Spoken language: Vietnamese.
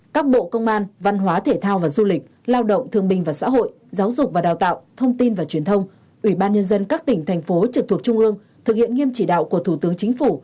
các bộ công an văn hóa thể thao và du lịch lao động thương minh và xã hội giáo dục và đào tạo thông tin và truyền thông ủy ban nhân dân các tỉnh thành phố trực thuộc trung ương thực hiện nghiêm chỉ đạo của thủ tướng chính phủ